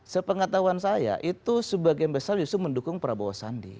sepengetahuan saya itu sebagian besar justru mendukung prabowo sandi